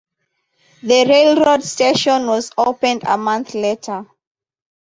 The railroad station was opened a month later.